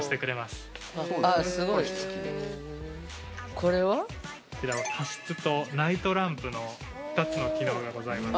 ◆こちらは加湿とナイトランプの２つの機能がございます。